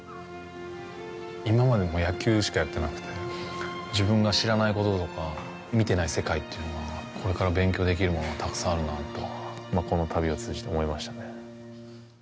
今までも野球しかやってなくて、自分が知らないこととか、見てない世界というのは、これから勉強できるものがたくさんあるなぁと、この旅を通じて思いましたね。